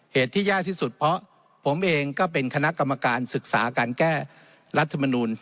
เหตุที่ยากที่สุดเพราะผมเองก็เป็นคณะกรรมการศึกษาการแก้รัฐมนูล